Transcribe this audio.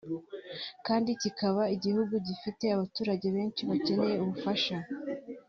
kandi kikaba igihugu gifite abaturage benshi bakeneye ubufasha